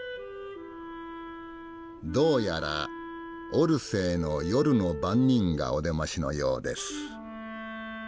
どうやらオルセーの夜の番人がお出ましのようです。